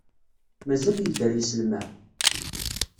Mazal yedder yislem-a?